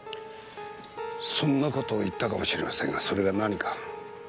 そんな事を言ったかもしれませんがそれが何か？